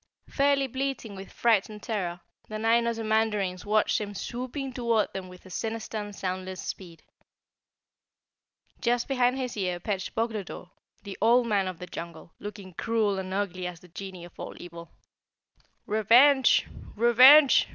Fairly bleating with fright and terror, the nine Ozamandarins watched him swooping toward them with a sinister and soundless speed. Just behind his ear perched Boglodore, the Old Man of the Jungle, looking cruel and ugly as the genie of all evil. "Revenge! Revenge!"